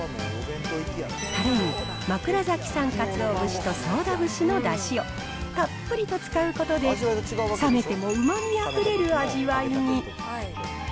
たれに枕崎産かつお節と宗田節のだしをたっぷりと使うことで、冷めても、うまみあふれる味わいに。